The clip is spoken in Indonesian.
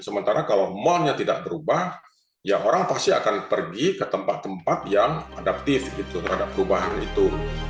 sementara kalau mallnya tidak berubah ya orang pasti akan pergi ke tempat tempat yang adaptif terhadap perubahan itu